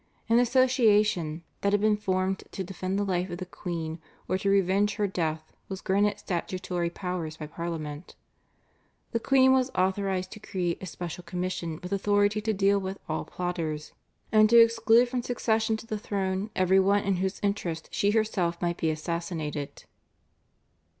An association that had been formed to defend the life of the queen or to revenge her death was granted statutory powers by Parliament. The queen was authorised to create a special commission with authority to deal with all plotters and to exclude from succession to the throne everyone in whose interest she herself might be assassinated.